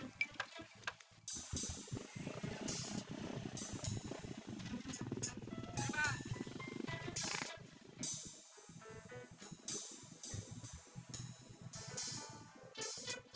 masa ini pak